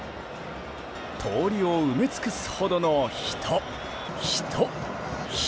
通りを埋め尽くすほどの人、人、人。